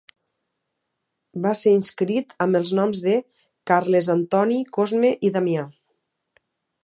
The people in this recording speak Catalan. Va ser inscrit amb els noms de Carles Antoni Cosme i Damià.